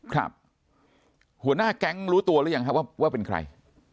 ครับหัวหน้ากแรูตัวหรือยังว่าเป็นใคร